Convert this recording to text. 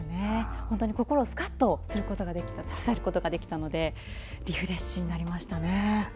本当に心をスカッとさせることができたのでリフレッシュになりましたね。